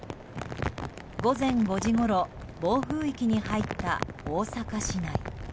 午前５時ごろ、暴風域に入った大阪市内。